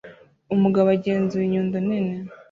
Umugabo agenzura inyundo nini